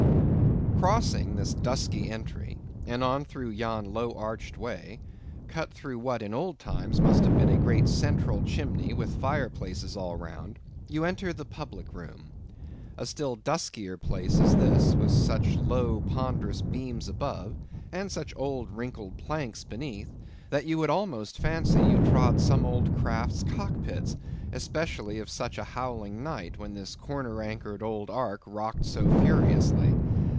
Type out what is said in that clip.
Crossing this dusky entry, and on through yon low arched way—cut through what in old times must have been a great central chimney with fireplaces all round—you enter the public room. A still duskier place is this, with such low ponderous beams above, and such old wrinkled planks beneath, that you would almost fancy you trod some old craft's cockpits, especially of such a howling night, when this corner anchored old ark rocked so furiously.